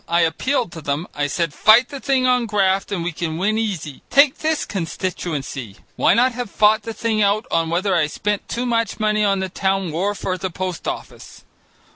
I appealed to them. I said, fight the thing on graft and we can win easy. Take this constituency, why not have fought the thing out on whether I spent too much money on the town wharf or the post office?